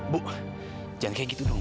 bu ah jangan kayak gitu dong